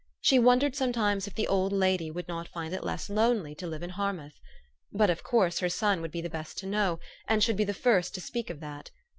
She wondered sometimes if the old lady would not find it less lonely to live in Harmouth. But of course her son would be the best to know, and should be the first to speak of that.